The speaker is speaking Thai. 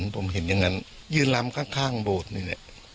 ผมเห็นอย่างนั้นยืนลำข้างบน